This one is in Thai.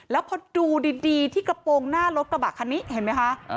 แล้วพอดูดีที่กระโปรงหน้ารถกระบะคันนี้เห็นไหมคะ